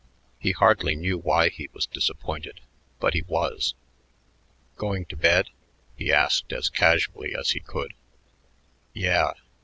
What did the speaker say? He hardly knew why he was disappointed, but he was. "Going to bed?" he asked as casually as he could. "Yeah.